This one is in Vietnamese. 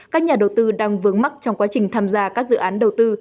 các nhà đầu tư đang vướng mắt trong quá trình tham gia các dự án đầu tư